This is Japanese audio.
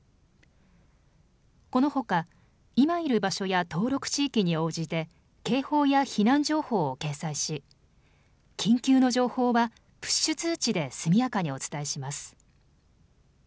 このほか今いる場所や登録地域に応じて警報や避難情報を掲載し緊急の情報はプッシュ通知で速やかにお伝えします。